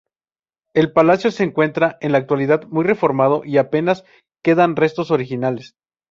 El palacio se encuentra en la actualidad muy reformado y apenas quedan restos originales.